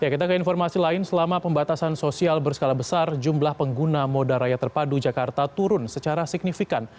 kita ke informasi lain selama pembatasan sosial berskala besar jumlah pengguna moda raya terpadu jakarta turun secara signifikan